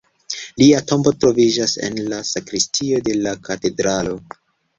Lia tombo troviĝis en la sakristio de la katedralo.